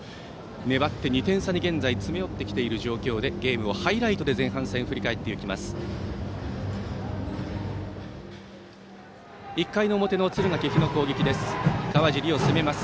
粘って２点差で現在詰め寄ってきている状況でゲームをハイライトで振り返ります。